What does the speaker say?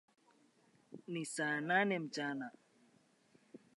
Ni saa nane mchana